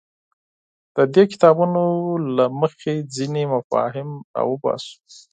د دې کتابونو له مخې ځینې مفاهیم راوباسو.